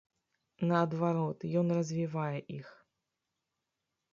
Наадварот, ён развівае іх.